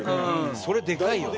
それでかいよね。